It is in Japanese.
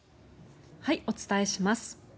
お伝えします。